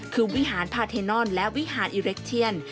คือวิหารพาเทนอนและวิหารอิเล็กเทียน